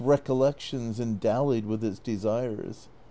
183 oUectioBS and dallied with its desires!